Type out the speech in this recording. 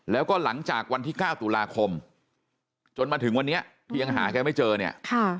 แล้วก็หลังจากวันที่๙ตุลาคมจนมาถึงวันนี้ที่ยังหาแกไม่เจอเนี่ยค่ะ